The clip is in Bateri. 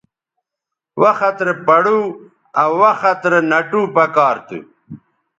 وخت رے پڑو آ وخت رے نَٹو پکار تھو